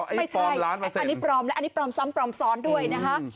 ปลอมร้านมาเสร็จไม่ใช่อันนี้ปลอมแล้วอันนี้ปลอมซ้ำปลอมซ้อนด้วยนะฮะ